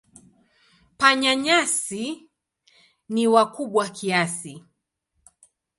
Panya-nyasi ni wakubwa kiasi.